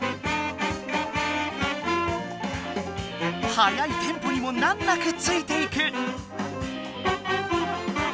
速いテンポにも難なくついていく。